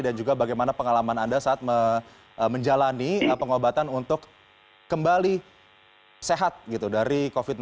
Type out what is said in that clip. dan juga bagaimana pengalaman anda saat menjalani pengobatan untuk kembali sehat dari covid sembilan belas